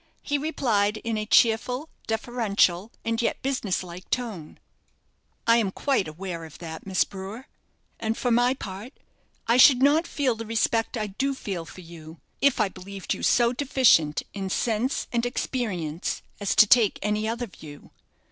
He replied, in a cheerful, deferential, and yet business like tone: "I am quite aware of that, Miss Brewer; and for my part, I should not feel the respect I do feel for you if I believed you so deficient in sense and experience as to take any other view.